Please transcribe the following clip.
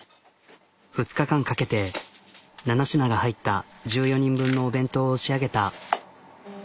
２日間かけて７品が入った１４人分のお弁当を仕上げた。